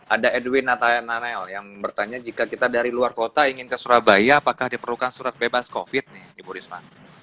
ada edwinanel yang bertanya jika kita dari luar kota ingin ke surabaya apakah diperlukan surat bebas covid nih ibu risma